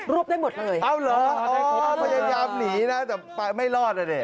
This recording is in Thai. รวบได้หมดเลยเอ้าเหรออยากหนีนะแต่ไม่รอดแล้วนี่